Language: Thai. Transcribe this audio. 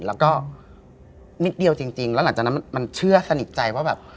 แล้วก็นิดเดียวจริงแล้วหลังจากนั้นมันเชื่อสนิทใจว่าแบบ